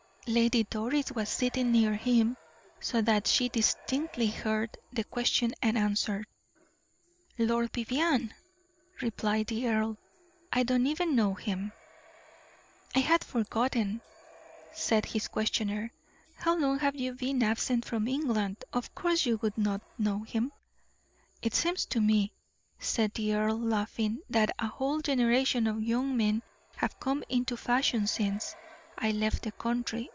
Lady Doris was sitting near him, so that she distinctly heard the question and answer. "Lord Vivianne!" replied the earl. "I do not even know him." "I had forgotten," said his questioner, "how long you have been absent from England; of course you would not know him." "It seems to me," said the earl, laughing, "that a whole generation of young men have come into fashion since I left the country.